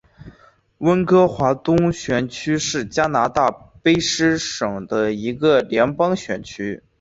温哥华东选区是加拿大卑诗省的一个联邦选区。